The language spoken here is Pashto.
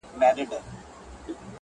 تشېدل به د شرابو ډك خمونه.!